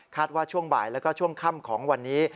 ว่าช่วงบ่ายแล้วก็ช่วงค่ำของวันนี้